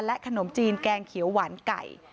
ขนมจีนแกงเขียวหวานไก่